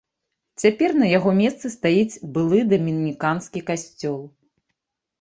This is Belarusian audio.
Цяпер на яго месцы стаіць былы дамініканскі касцёл.